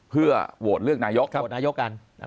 โหวตเลือกนายก